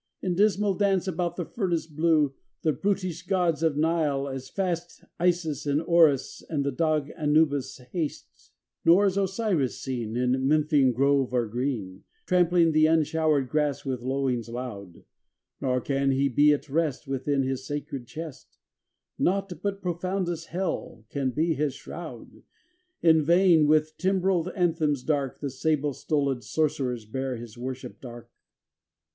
In dismal dance about the furnace blue; The brutish gods of Nile as fast, Isis, and Orus, and the dog Anubis, haste. 593 PALESTINE XXIV Nor IS Osiris seen In Memphian grove or green, Trampling the unshowered grass with lowings loud; Nor can he be at rest Within his sacred chest; Nought but profoundest Hell can be his shroud; In vain, with timbreled anthems dark, The sable stoled Sorcerers bear his worshiped ark.